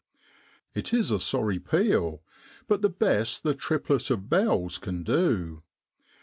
It is a sorry peal, but the best the triplet of bells can do.